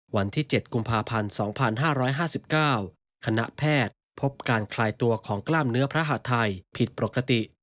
วันที่เจ็ดกุมภาพันธ์สองพันห้าร้อยห้าสิบเก้าคณะแพทย์พบการคลายตัวของกล้ามเนื้อพระหาทัยผิดปกติ